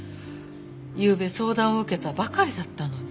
ゆうべ相談を受けたばかりだったのに。